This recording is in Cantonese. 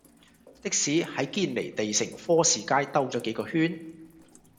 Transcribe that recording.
的士喺堅尼地城科士街兜左幾個圈